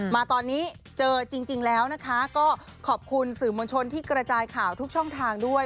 มาตอนนี้เจอจริงแล้วนะคะก็ขอบคุณสื่อมวลชนที่กระจายข่าวทุกช่องทางด้วย